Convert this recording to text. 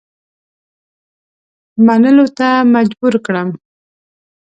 منلو ته مجبور کړم.